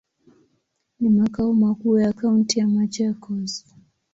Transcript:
Ni makao makuu ya kaunti ya Machakos.